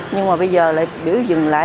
nhưng mà bây giờ lại biểu dừng lại